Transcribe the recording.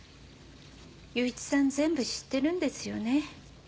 祐一さん全部知ってるんですよね？